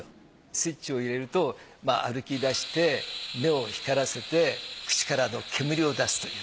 スイッチを入れると歩き出して目を光らせて口から煙を出すという。